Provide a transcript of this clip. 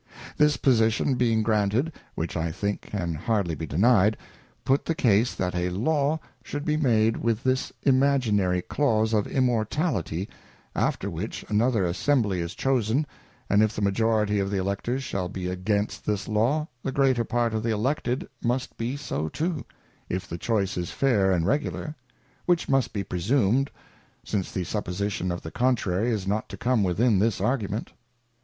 This Position being granted, which I think can hardly be denied, put the case that a Law should be made with this imaginary Clause of Immortality, after which another Assembly is chosen, and if the majority of the Electors shall be against this Law, the greater part of the Elected must be so too, if the choice is fair and regular ; which must be presumed, since the supposition of the contrary is not to come within this Argument.